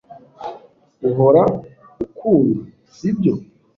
Uhora ukunda , sibyo?